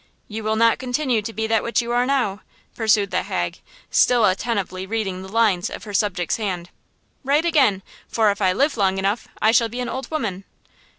"You will not continue to be that which you are now!" pursued the hag, still attentively reading the lines of her subject's hand. "Right again; for if I live long enough I shall be an old woman."